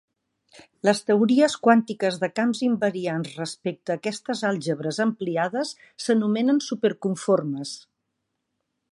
Les teories quàntiques de camps invariants respecte a aquestes àlgebres ampliades s'anomenen superconformes.